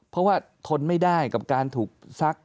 เพราะว่าทนไม่ได้กับการถูกซัก